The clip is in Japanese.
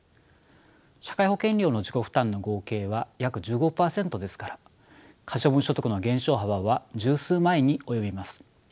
社会保険料の自己負担の合計は約１５％ですから可処分所得の減少幅は十数万円に及びます。